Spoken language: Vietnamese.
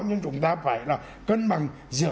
nhưng chúng ta phải là cân bằng giữa